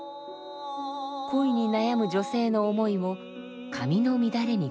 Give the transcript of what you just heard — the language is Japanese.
恋に悩む女性の思いを髪の乱れに重ねます。